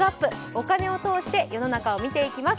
お金を通して世の中を見ていきます。